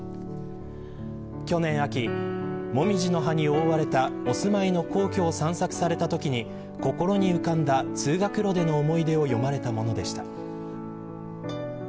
去年秋、もみじの葉に覆われたお住まいの皇居を散策されたときに、心に浮かんだ通学路での思い出を詠まれたものでした。